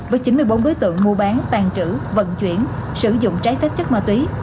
với chín mươi bốn đối tượng mua bán tàn trữ vận chuyển sử dụng trái phép chất ma túy